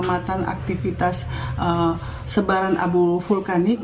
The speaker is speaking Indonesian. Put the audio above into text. keselamatan aktivitas sebaran abu vulkanik